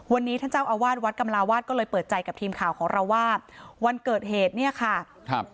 วันนี้ท่านเจ้าอาวาสวัดกำลาวาสก็เลยเปิดใจกับทีมข่าวของเราว่าวันเกิดเหตุเนี่ยค่ะครับ